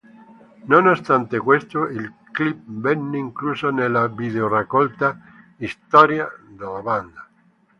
Nonostante questo, il clip venne incluso nella video-raccolta "Historia" della band.